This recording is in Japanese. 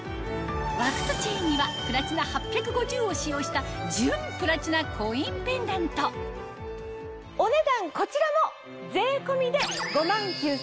枠とチェーンにはプラチナ８５０を使用した純プラチナコインペンダントお値段こちらも。